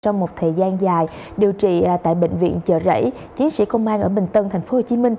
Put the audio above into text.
trong một thời gian dài điều trị tại bệnh viện chợ rẫy chiến sĩ công an ở bình tân tp hcm